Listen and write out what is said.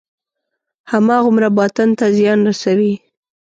هماغومره باطن ته زیان رسوي.